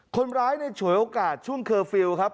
คนร้ายฉวยโอกาสช่วงเคอร์ฟิลล์ครับ